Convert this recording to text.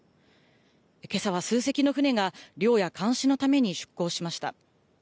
けさは数隻の船が漁や監視のために出港しました。